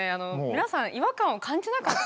皆さん違和感を感じなかった？